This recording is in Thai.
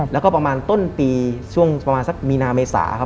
แล้วก็ประมาณต้นปีช่วงประมาณสักมีนาเมษาครับ